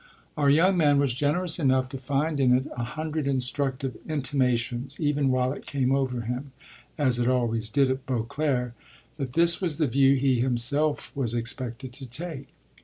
Our young man was generous enough to find in it a hundred instructive intimations even while it came over him as it always did at Beauclere that this was the view he himself was expected to take.